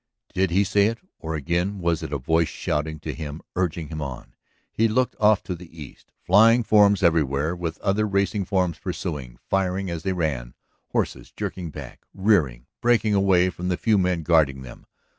Did he say it? Or again was it a voice shouting to him, urging him on? He looked off to the east. Flying forms everywhere with other racing forms pursuing, firing as they ran. Horses jerking back, rearing, breaking away from the few men guarding them.